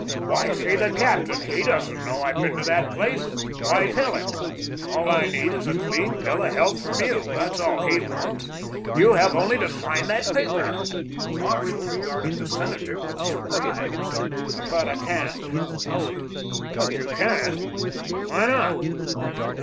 "Why see the captain? He doesn't know I've been to that place. Why tell him? All I need is a clean bill of health from you. That's all HE wants. You have only to sign that paper." Marshall regarded the senator with surprise. "But I can't," he said. "You can't? Why not?"